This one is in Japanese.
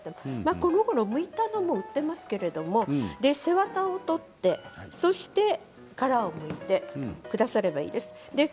今は取ったのも売っていますけれど背わたを取って、殻をむいてくださればいいです。